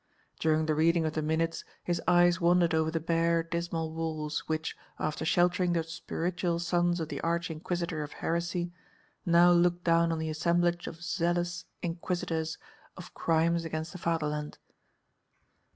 During the reading of the minutes, his eyes wandered over the bare, dismal walls, which, after sheltering the spiritual sons of the arch inquisitor of heresy, now looked down on the assemblage of zealous inquisitors of crimes against the fatherland.